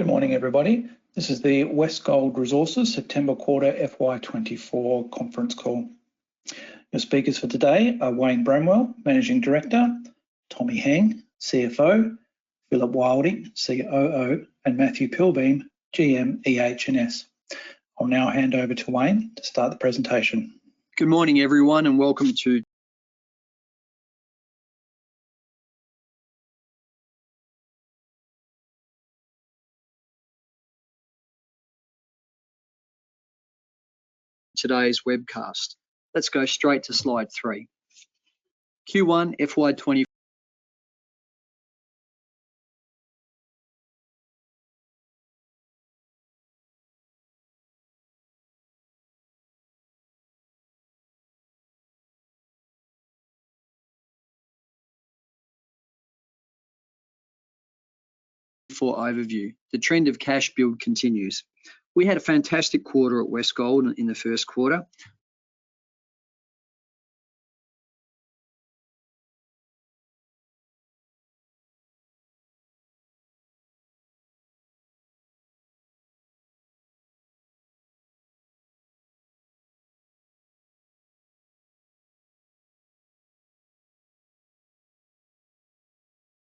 Good morning, everybody. This is the Westgold Resources September quarter FY 24 conference call. The speakers for today are Wayne Bramwell, Managing Director, Tommy Heng, CFO, Phillip Wilding, COO, and Matthew Pilbeam, GM, EH&S. I'll now hand over to Wayne to start the presentation. Good morning, everyone, and welcome to today's webcast. Let's go straight to slide three. Q1 FY 2024 overview. The trend of cash build continues. We had a fantastic quarter at Westgold in Q1.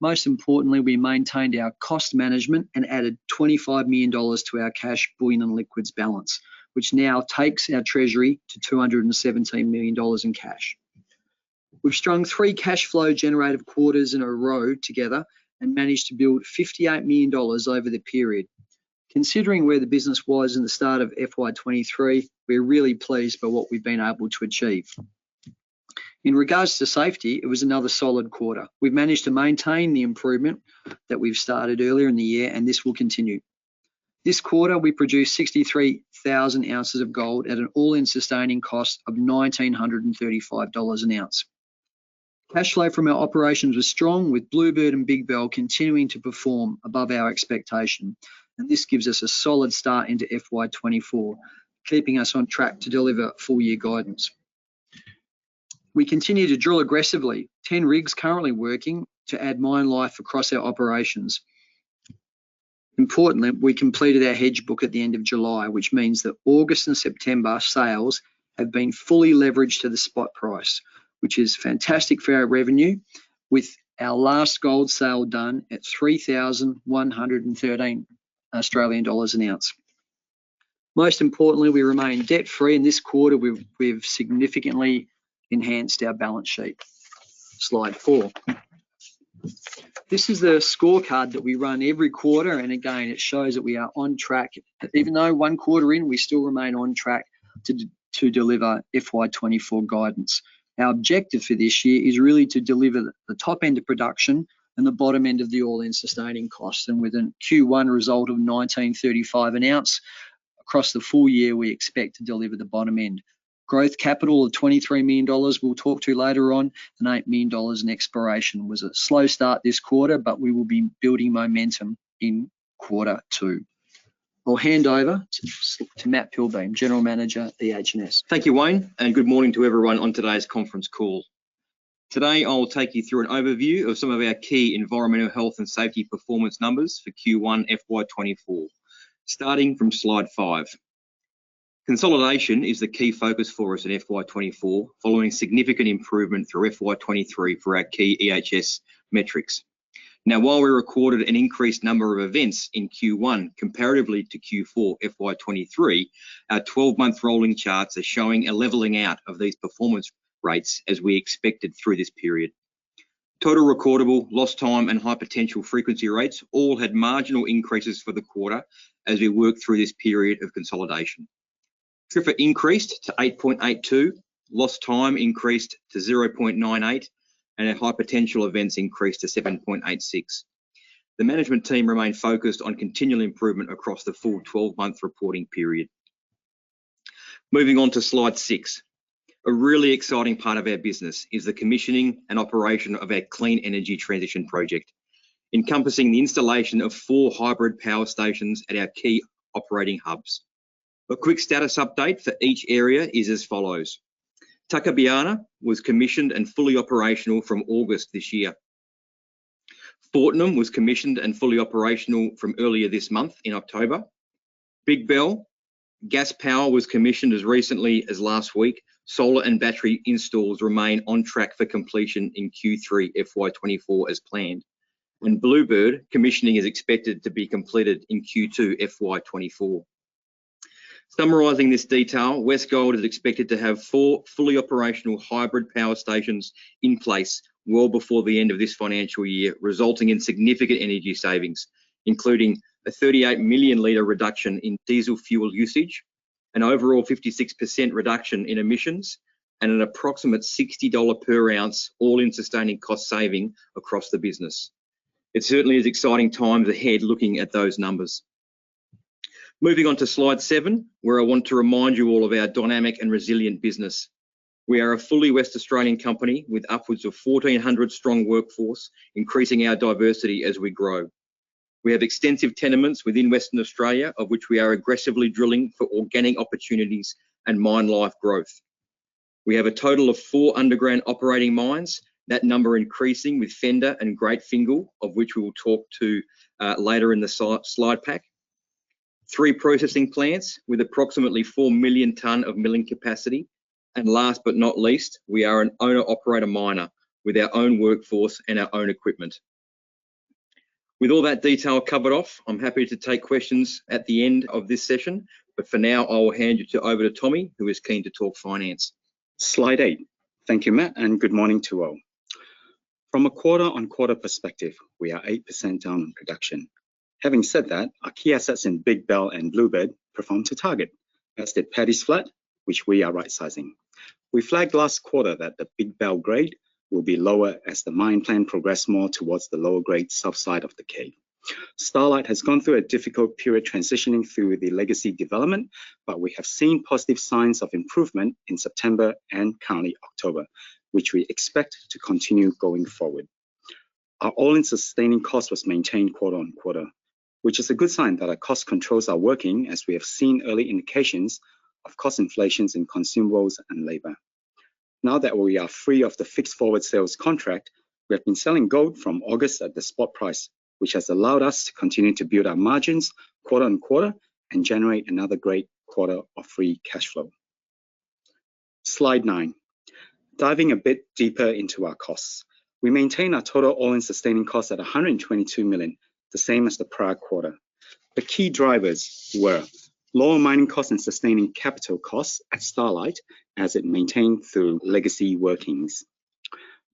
Most importantly, we maintained our cost management and added 25 million dollars to our cash, bullion, and liquids balance, which now takes our treasury to 217 million dollars in cash. We've strung 3 cash flow generative quarters in a row together and managed to build 58 million dollars over the period. Considering where the business was at the start of FY 2023, we're really pleased by what we've been able to achieve. In regards to safety, it was another solid quarter. We've managed to maintain the improvement that we've started earlier in the year, and this will continue. This quarter, we produced 63,000 ounces of gold at an all-in sustaining cost of $1,935 an ounce. Cash flow from our operations was strong, with Bluebird and Big Bell continuing to perform above our expectation, and this gives us a solid start into FY 2024, keeping us on track to deliver full year guidance. We continue to drill aggressively. 10 rigs currently working to add mine life across our operations. Importantly, we completed our hedge book at the end of July, which means that August and September sales have been fully leveraged to the spot price, which is fantastic for our revenue. With our last gold sale done at 3,113 Australian dollars an ounce. Most importantly, we remain debt-free, and this quarter we've significantly enhanced our balance sheet. Slide four. This is the scorecard that we run every quarter, and again, it shows that we are on track. Even though one quarter in, we still remain on track to deliver FY 2024 guidance. Our objective for this year is really to deliver the top end of production and the bottom end of the all-in sustaining costs, and with a Q1 result of $1,935 an ounce, across the full year, we expect to deliver the bottom end. Growth capital of 23 million dollars, we'll talk to later on, and 8 million dollars in exploration. It was a slow start this quarter, but we will be building momentum in quarter two. I'll hand over to Matt Pilbeam, General Manager, EH&S. Thank you, Wayne, and good morning to everyone on today's conference call. Today, I will take you through an overview of some of our key environmental, health, and safety performance numbers for Q1 FY 2024. Starting from slide five. Consolidation is the key focus for us in FY 2024, following significant improvement through FY 2023 for our key EHS metrics. Now, while we recorded an increased number of events in Q1 comparatively to Q4 FY 2023, our 12-month rolling charts are showing a leveling out of these performance rates as we expected through this period. Total recordable, lost time, and high potential frequency rates all had marginal increases for the quarter as we worked through this period of consolidation. TRIFR increased to 8.82, lost time increased to 0.98, and our high potential events increased to 7.86. The management team remained focused on continual improvement across the full 12-month reporting period. Moving on to slide six. A really exciting part of our business is the commissioning and operation of our Clean Energy Transition Project, encompassing the installation of four hybrid power stations at our key operating hubs. A quick status update for each area is as follows: Tuckabianna was commissioned and fully operational from August this year. Fortnum was commissioned and fully operational from earlier this month in October. Big Bell Gas Power was commissioned as recently as last week. Solar and battery installs remain on track for completion in Q3 FY 2024 as planned. In Bluebird, commissioning is expected to be completed in Q2 FY 2024. Summarizing this detail, Westgold is expected to have four fully operational hybrid power stations in place well before the end of this financial year, resulting in significant energy savings, including a 38 million-litre reduction in diesel fuel usage, an overall 56% reduction in emissions, and an approximate $60 per ounce all-in sustaining cost saving across the business. It certainly is exciting times ahead, looking at those numbers. Moving on to slide seven, where I want to remind you all of our dynamic and resilient business. We are a fully Western Australian company with upwards of 1,400-strong workforce, increasing our diversity as we grow. We have extensive tenements within Western Australia, of which we are aggressively drilling for organic opportunities and mine life growth. We have a total of four underground operating mines. That number increasing with Fender and Great Fingall, of which we will talk to later in the slide pack. Three processing plants with approximately 4 million tonnes of milling capacity. And last but not least, we are an owner-operator miner with our own workforce and our own equipment. With all that detail covered off, I'm happy to take questions at the end of this session, but for now, I'll hand you over to Tommy, who is keen to talk finance. Slide eight. Thank you, Matt, and good morning to all. From a quarter-on-quarter perspective, we are 8% down on production. Having said that, our key assets in Big Bell and Bluebird performed to target, as did Paddy's Flat, which we are right-sizing. We flagged last quarter that the Big Bell grade will be lower as the mine plan progressed more towards the lower grade south side of the cave. Starlight has gone through a difficult period transitioning through the legacy development, but we have seen positive signs of improvement in September and currently October, which we expect to continue going forward. Our all-in sustaining cost was maintained quarter-on-quarter, which is a good sign that our cost controls are working, as we have seen early indications of cost inflations in consumables and labor. Now that we are free of the fixed forward sales contract, we have been selling gold from August at the spot price, which has allowed us to continue to build our margins quarter-over-quarter and generate another great quarter of free cash flow. Slide nine. Diving a bit deeper into our costs. We maintain our total All-in Sustaining Cost at 122 million, the same as the prior quarter. The key drivers were: lower mining costs and sustaining capital costs at Starlight, as it maintained through legacy workings.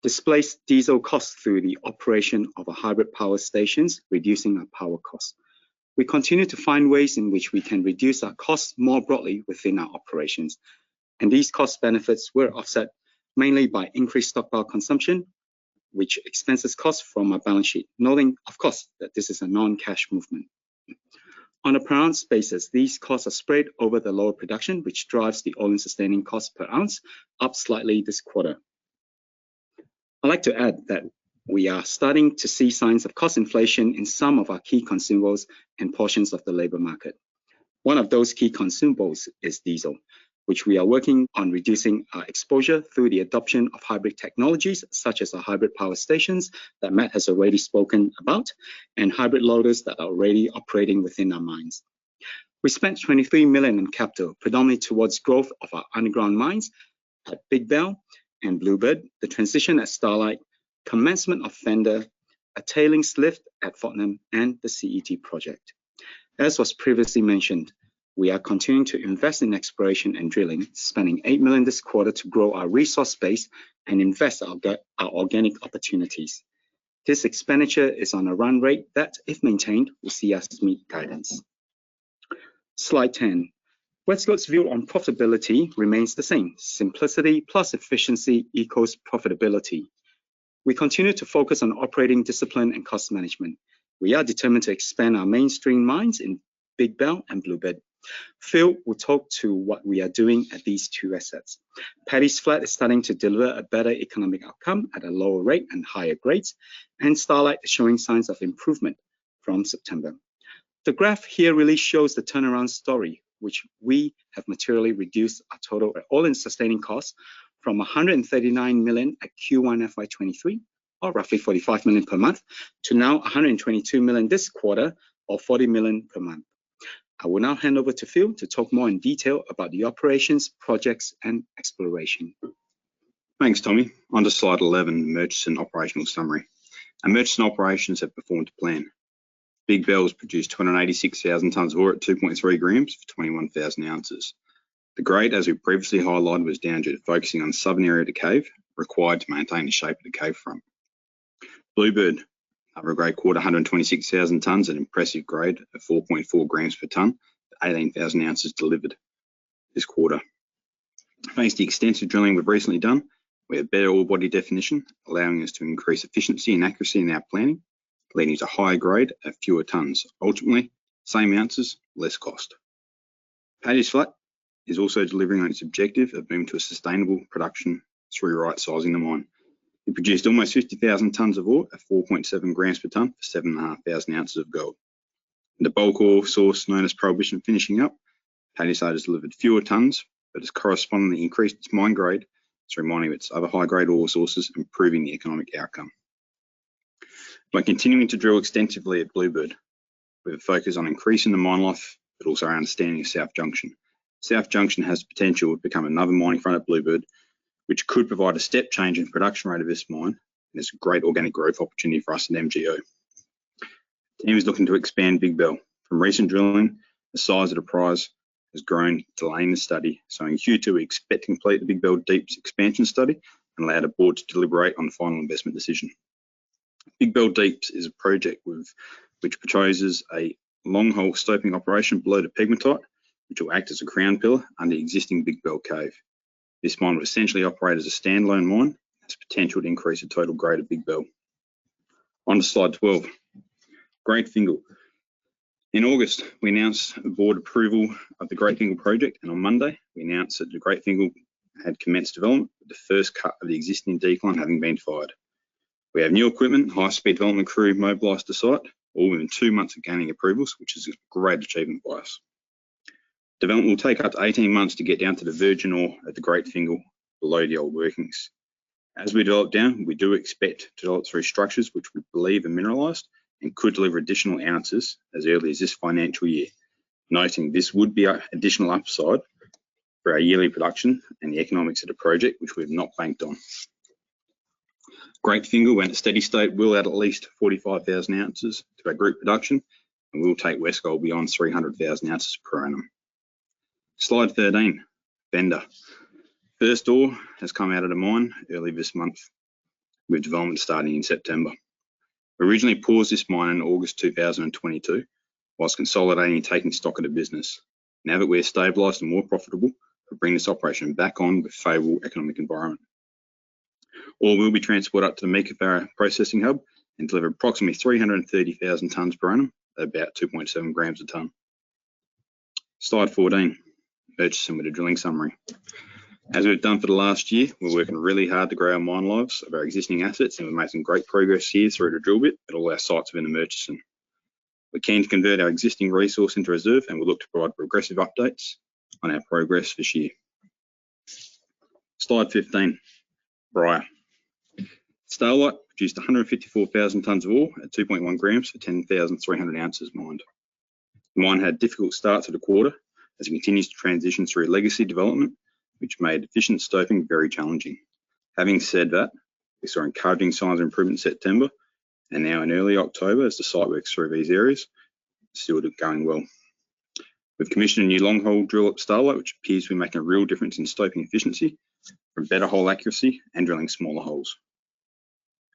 Displaced diesel costs through the operation of a hybrid power stations, reducing our power costs. We continue to find ways in which we can reduce our costs more broadly within our operations, and these cost benefits were offset mainly by increased stockpile consumption, which expenses costs from our balance sheet, noting, of course, that this is a non-cash movement. On a per ounce basis, these costs are spread over the lower production, which drives the all-in sustaining cost per ounce up slightly this quarter. I'd like to add that we are starting to see signs of cost inflation in some of our key consumables and portions of the labour market. One of those key consumables is diesel, which we are working on reducing our exposure through the adoption of hybrid technologies, such as the hybrid power stations that Matt has already spoken about, and hybrid loaders that are already operating within our mines. We spent 23 million in capital, predominantly towards growth of our underground mines at Big Bell and Bluebird, the transition at Starlight, commencement of Fender, a tailings lift at Fortnum, and the CET project. As was previously mentioned, we are continuing to invest in exploration and drilling, spending 8 million this quarter to grow our resource base and invest our organic opportunities. This expenditure is on a run rate that, if maintained, will see us meet guidance. Slide 10. Westgold's view on profitability remains the same: Simplicity plus efficiency equals profitability. We continue to focus on operating discipline and cost management. We are determined to expand our mainstream mines in Big Bell and Bluebird. Phil will talk to what we are doing at these two assets. Paddy's Flat is starting to deliver a better economic outcome at a lower rate and higher grades, and Starlight is showing signs of improvement from September. The graph here really shows the turnaround story, which we have materially reduced our total all-in sustaining costs from 139 million at Q1 FY 2023, or roughly 45 million per month, to now 122 million this quarter or 40 million per month. I will now hand over to Phil to talk more in detail about the operations, projects, and exploration. Thanks, Tommy. On to slide 11, Murchison operational summary. Our Murchison operations have performed to plan. Big Bell has produced 286,000 tonnes of ore at 2.3 grams for 21,000 ounces. The grade, as we previously highlighted, was down to focusing on the southern area of the cave, required to maintain the shape of the cave front. Bluebird, another great quarter, 126,000 tonnes, an impressive grade of 4.4 grams per tonne, to 18,000 ounces delivered this quarter. Thanks to the extensive drilling we've recently done, we have better ore body definition, allowing us to increase efficiency and accuracy in our planning, leading to higher grade at fewer tonnes. Ultimately, same ounces, less cost. Paddy's Flat is also delivering on its objective of moving to a sustainable production through right-sizing the mine. It produced almost 50,000 tonnes of ore at 4.7 grams per tonne, for 7,500 ounces of gold. The bulk ore source known as Prohibition, finishing up. Paddy's Flat has delivered fewer tonnes, but has correspondingly increased its mine grade through mining its other high-grade ore sources, improving the economic outcome. By continuing to drill extensively at Bluebird, we have a focus on increasing the mine life, but also our understanding of South Junction. South Junction has the potential to become another mining front at Bluebird, which could provide a step change in production rate of this mine, and it's a great organic growth opportunity for us at MGO. The team is looking to expand Big Bell. From recent drilling, the size of the prize has grown, delaying the study. So in Q2, we expect to complete the Big Bell Deeps expansion study and allow the board to deliberate on the final investment decision. Big Bell Deeps is a project which proposes a long-hole stoping operation below the pegmatite, which will act as a crown pillar under the existing Big Bell cave. This mine will essentially operate as a standalone mine, has potential to increase the total grade of Big Bell. On to slide 12, Great Fingall. In August, we announced the board approval of the Great Fingall project, and on Monday, we announced that the Great Fingall had commenced development, the first cut of the existing decline having been fired. We have new equipment, high-speed development crew mobilized to site, all within two months of gaining approvals, which is a great achievement for us. Development will take up to 18 months to get down to the virgin ore at the Great Fingall below the old workings. As we develop down, we do expect to drill through structures which we believe are mineralized and could deliver additional ounces as early as this financial year, noting this would be an additional upside for our yearly production and the economics of the project, which we've not banked on. Great Fingall, when at a steady state, will add at least 45,000 ounces to our group production and will take Westgold beyond 300,000 ounces per annum. Slide 13, Fender. First ore has come out of the mine early this month, with development starting in September. We originally paused this mine in August 2022 while consolidating and taking stock of the business. Now that we're stabilized and more profitable, we're bringing this operation back on with favorable economic environment. Ore will be transported up to the Meekatharra Processing Hub and deliver approximately 330,000 tonnes per annum at about 2.7 grams a tonne. Slide 14, Murchison with a drilling summary. As we've done for the last year, we're working really hard to grow our mine lives of our existing assets, and we're making great progress here through the drill bit, at all our sites within the Murchison. We're keen to convert our existing resource into reserve, and we look to provide progressive updates on our progress this year. Slide 15, Bryah, Starlight produced 154,000 tonnes of ore at 2.1 grams for 10,300 ounces mined. The mine had a difficult start to the quarter as it continues to transition through a legacy development, which made efficient stoping very challenging. Having said that, we saw encouraging signs of improvement in September, and now in early October, as the site works through these areas, it's still going well. We've commissioned a new long hole drill at Starlight, which appears to be making a real difference in stoping efficiency for better hole accuracy and drilling smaller holes.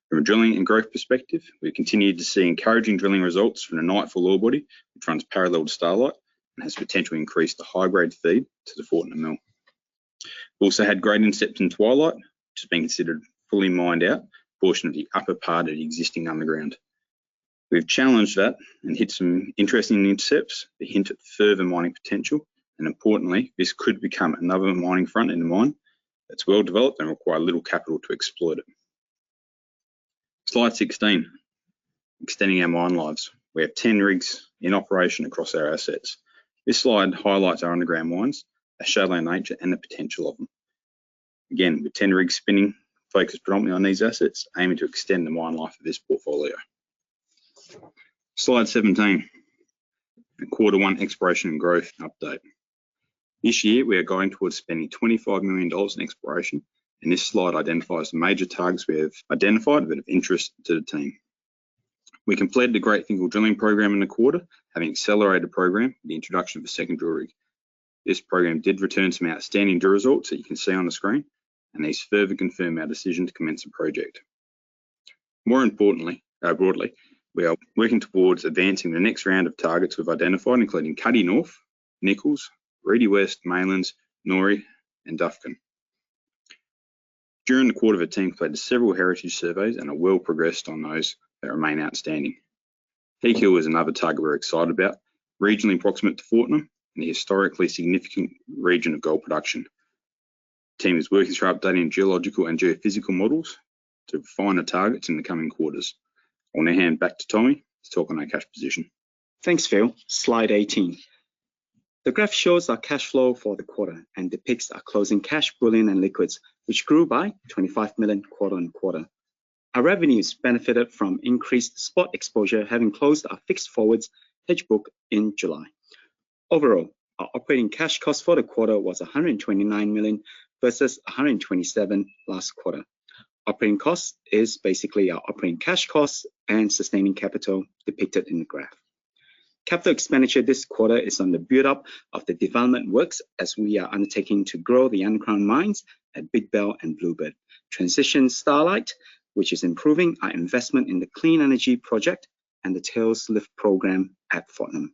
From a drilling and growth perspective, we continued to see encouraging drilling results from the Nightfall ore body, which runs parallel to Starlight and has potential to increase the high-grade feed to the Fortnum mill. We also had great intercepts in Twilight, which is being considered fully mined out, portion of the upper part of the existing underground. We've challenged that and hit some interesting intercepts that hint at further mining potential, and importantly, this could become another mining front in the mine that's well developed and require little capital to exploit it. Slide 16, extending our mine lives. We have 10 rigs in operation across our assets. This slide highlights our underground mines, their shallow nature, and the potential of them. Again, with 10 rigs spinning, focused predominantly on these assets, aiming to extend the mine life of this portfolio. Slide 17, the quarter One Exploration and Growth Update. This year, we are going towards spending 25 million dollars in exploration, and this slide identifies the major targets we have identified that are of interest to the team. We completed the Great Fingall drilling program in the quarter, having accelerated the program with the introduction of a second drill rig. This program did return some outstanding drill results that you can see on the screen, and these further confirm our decision to commence the project. More importantly, broadly, we are working towards advancing the next round of targets we've identified, including Cuddy North, Nichols, Reedy West, Mainland, Norie, and Duffin. During the quarter, the team completed several heritage surveys and are well progressed on those that remain outstanding. Peak Hill is another target we're excited about, regionally proximate to Fortnum and a historically significant region of gold production. The team is working through updating geological and geophysical models to define the targets in the coming quarters. I want to hand back to Tommy to talk on our cash position. Thanks, Phil. Slide 18. The graph shows our cash flow for the quarter and depicts our closing cash, bullion, and liquids, which grew by 25 million quarter-over-quarter. Our revenues benefited from increased spot exposure, having closed our fixed forwards hedge book in July. Overall, our operating cash cost for the quarter was 129 million versus 127 million last quarter. Operating cost is basically our operating cash costs and sustaining capital depicted in the graph. Capital expenditure this quarter is on the build-up of the development works as we are undertaking to grow the underground mines at Big Bell and Bluebird, transition Starlight, which is improving our investment in the Clean Energy Project and the tails lift program at Fortnum.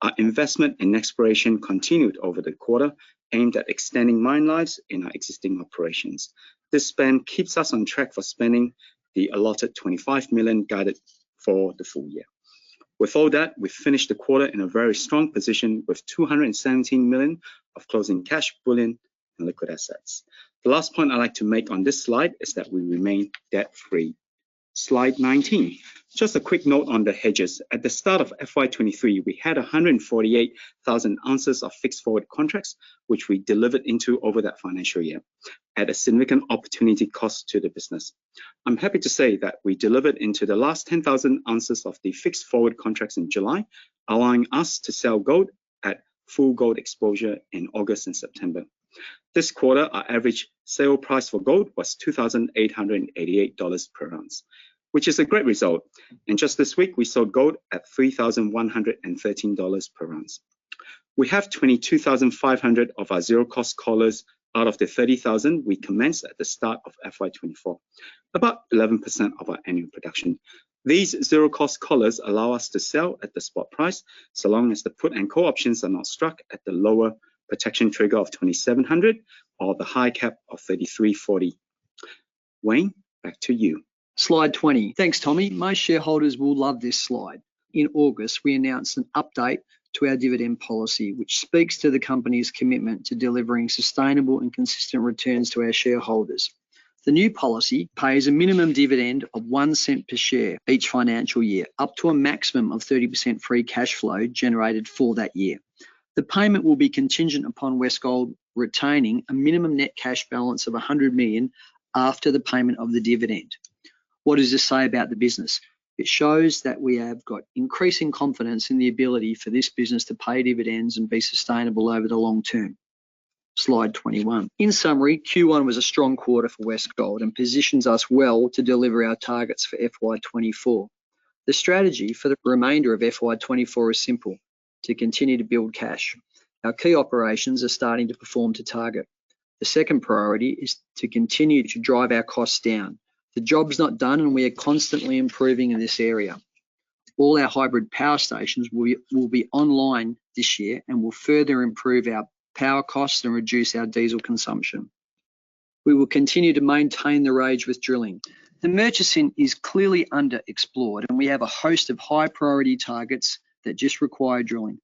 Our investment in exploration continued over the quarter, aimed at extending mine lives in our existing operations. This spend keeps us on track for spending the allotted 25 million guided for the full year. With all that, we finished the quarter in a very strong position with 217 million of closing cash, bullion, and liquid assets. The last point I'd like to make on this slide is that we remain debt-free. Slide 19. Just a quick note on the hedges. At the start of FY 2023, we had 148,000 ounces of fixed forward contracts, which we delivered into over that financial year at a significant opportunity cost to the business. I'm happy to say that we delivered into the last 10,000 ounces of the fixed forward contracts in July, allowing us to sell gold at full gold exposure in August and September. This quarter, our average sale price for gold was $2,888 per ounce, which is a great result. Just this week, we sold gold at $3,113 per ounce. We have 22,500 of our zero-cost collars out of the 30,000 we commenced at the start of FY 2024, about 11% of our annual production. These zero-cost collars allow us to sell at the spot price, so long as the put and call options are not struck at the lower protection trigger of 2,700 or the high cap of 3,340. Wayne, back to you. Slide 20. Thanks, Tommy. Most shareholders will love this slide. In August, we announced an update to our dividend policy, which speaks to the company's commitment to delivering sustainable and consistent returns to our shareholders. The new policy pays a minimum dividend of 0.01 per share each financial year, up to a maximum of 30% free cash flow generated for that year. The payment will be contingent upon Westgold retaining a minimum net cash balance of 100 million after the payment of the dividend. What does this say about the business? It shows that we have got increasing confidence in the ability for this business to pay dividends and be sustainable over the long term. Slide 21. In summary, Q1 was a strong quarter for Westgold and positions us well to deliver our targets for FY 2024. The strategy for the remainder of FY 2024 is simple: to continue to build cash. Our key operations are starting to perform to target. The second priority is to continue to drive our costs down. The job is not done, and we are constantly improving in this area. All our hybrid power stations will be, will be online this year and will further improve our power costs and reduce our diesel consumption. We will continue to maintain the rage with drilling. The Murchison is clearly underexplored, and we have a host of high-priority targets that just require drilling.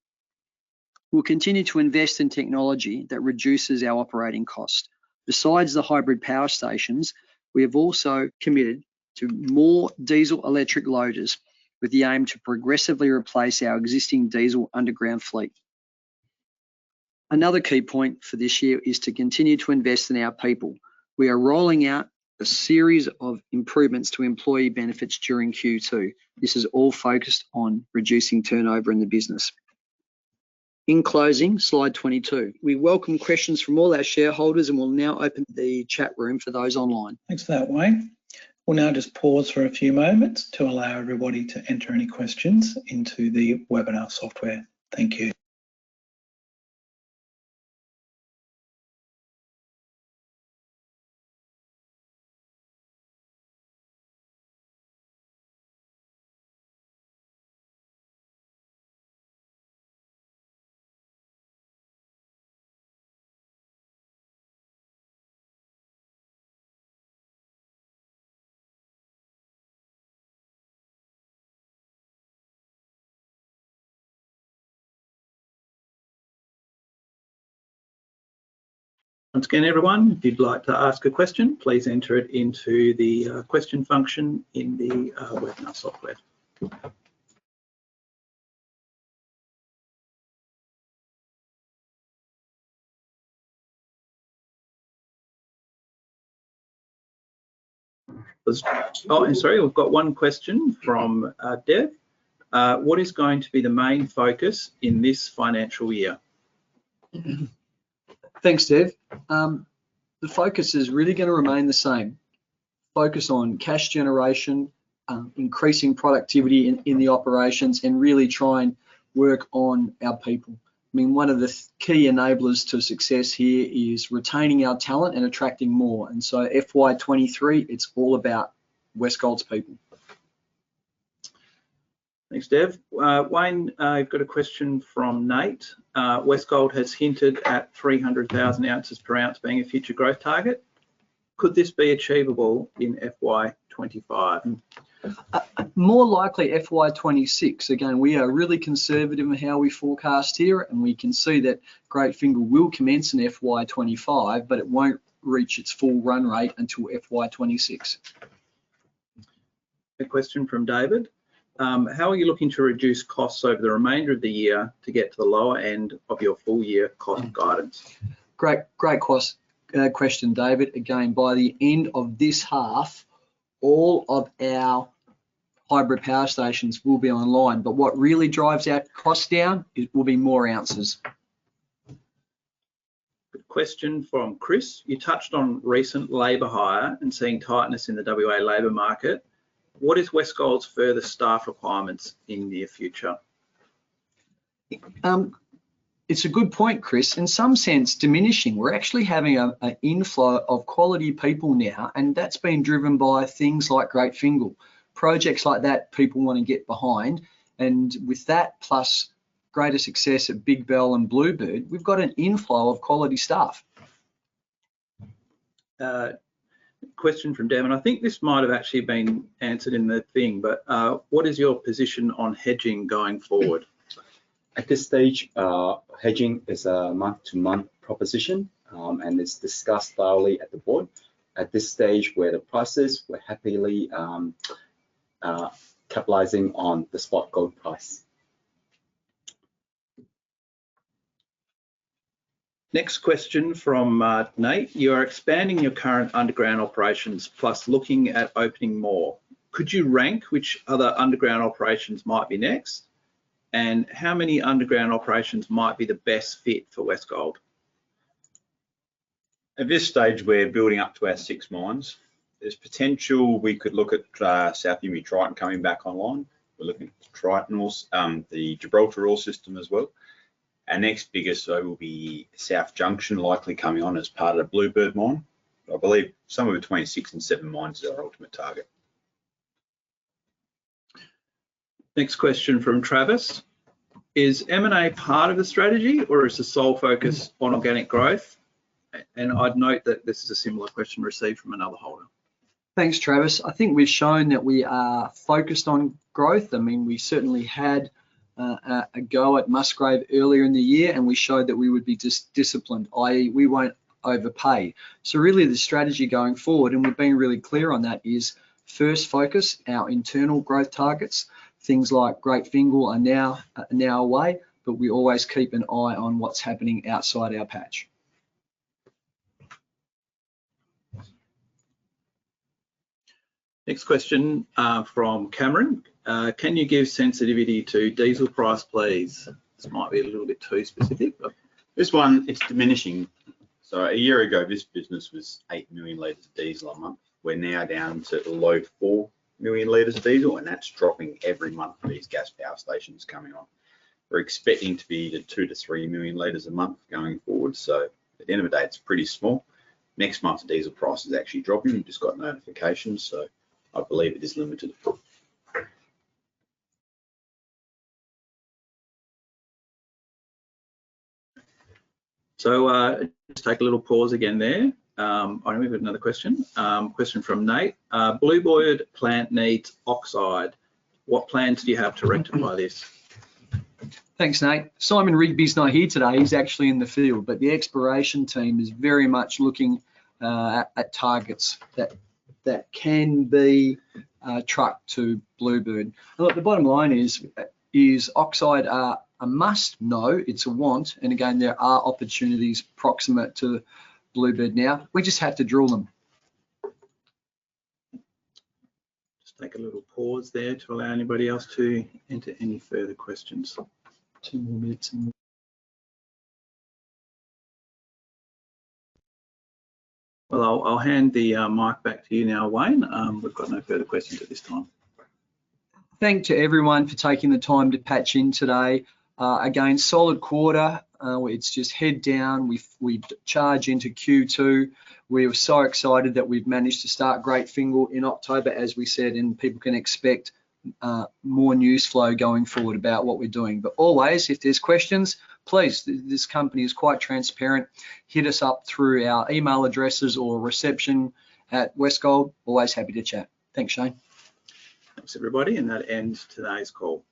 We'll continue to invest in technology that reduces our operating cost. Besides the hybrid power stations, we have also committed to more diesel electric loaders, with the aim to progressively replace our existing diesel underground fleet. Another key point for this year is to continue to invest in our people. We are rolling out a series of improvements to employee benefits during Q2. This is all focused on reducing turnover in the business. In closing, slide 22. We welcome questions from all our shareholders, and we'll now open the chat room for those online. Thanks for that, Wayne. We'll now just pause for a few moments to allow everybody to enter any questions into the webinar software. Thank you. Once again, everyone, if you'd like to ask a question, please enter it into the question function in the webinar software. Oh, sorry, we've got one question from Dev. "What is going to be the main focus in this financial year? Thanks, Dev. The focus is really gonna remain the same. Focus on cash generation, increasing productivity in the operations, and really try and work on our people. I mean, one of the key enablers to success here is retaining our talent and attracting more. And so FY 2023, it's all about Westgold's people. Thanks, Dev. Wayne, I've got a question from Nate. "Westgold has hinted at 300,000 ounces per annum being a future growth target. Could this be achievable in FY 25? More likely FY 2026. Again, we are really conservative in how we forecast here, and we can see that Great Fingall will commence in FY 2025, but it won't reach its full run rate until FY 2026. A question from David: "How are you looking to reduce costs over the remainder of the year to get to the lower end of your full year cost guidance? Great, great question, David. Again, by the end of this half, all of our hybrid power stations will be online. But what really drives our costs down is, will be more ounces. Good question from Chris: "You touched on recent labour hire and seeing tightness in the WA labor market. What is Westgold's further staff requirements in near future? It's a good point, Chris. In some sense, diminishing. We're actually having an inflow of quality people now, and that's been driven by things like Great Fingall. Projects like that, people want to get behind, and with that, plus greater success at Big Bell and Bluebird, we've got an inflow of quality staff. Question from Devin, I think this might have actually been answered in the thing, but, what is your position on hedging going forward? At this stage, hedging is a month-to-month proposition, and it's discussed thoroughly at the board. At this stage, where the prices, we're happily capitalizing on the spot gold price. Next question from Nate: "You are expanding your current underground operations plus looking at opening more. Could you rank which other underground operations might be next, and how many underground operations might be the best fit for Westgold? At this stage, we're building up to our six mines. There's potential we could look at South Emu/Triton coming back online. We're looking at Triton ore system, the Gibraltar ore system as well. Our next biggest though will be South Junction, likely coming on as part of the Bluebird mine. I believe somewhere between six and seven mines is our ultimate target. Next question from Travis: "Is M&A part of the strategy, or is the sole focus on organic growth?" And I'd note that this is a similar question received from another holder. Thanks, Travis. I think we've shown that we are focused on growth. I mean, we certainly had a go at Musgrave earlier in the year, and we showed that we would be disciplined, i.e., we won't overpay. So really, the strategy going forward, and we've been really clear on that, is first focus our internal growth targets. Things like Great Fingall are now away, but we always keep an eye on what's happening outside our patch. Next question, from Cameron: "Can you give sensitivity to diesel price, please?" This might be a little bit too specific, but- This one, it's diminishing. So a year ago, this business was 8 million litres of diesel a month. We're now down to below 4 million litres of diesel, and that's dropping every month with these gas power stations coming on. We're expecting to be at 2-3 million litres a month going forward, so at the end of the day, it's pretty small. Next month's diesel price is actually dropping. We've just got notification, so I believe it is limited. So, let's take a little pause again there. All right, we've got another question. Question from Nate: "Bluebird Plant needs oxide. What plans do you have to rectify this? Thanks, Nate. Simon Rigby's not here today. He's actually in the field, but the exploration team is very much looking at targets that can be trucked to Bluebird. Look, the bottom line is oxide a must? No, it's a want. And again, there are opportunities proximate to Bluebird now. We just have to drill them. Just take a little pause there to allow anybody else to enter any further questions. Two more minutes, and... Well, I'll hand the mic back to you now, Wayne. We've got no further questions at this time. Thanks to everyone for taking the time to patch in today. Again, solid quarter. It's just head down. We charge into Q2. We're so excited that we've managed to start Great Fingall in October, as we said, and people can expect more news flow going forward about what we're doing. But always, if there's questions, please, this company is quite transparent, hit us up through our email addresses or reception at Westgold. Always happy to chat. Thanks, Shane. Thanks, everybody, and that ends today's call.